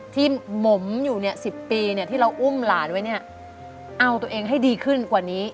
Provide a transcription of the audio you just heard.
หมมอยู่๑๐ปีที่เราอุ้มหลานไว้เนี่ยเอาตัวเองให้ดีขึ้นกว่านี้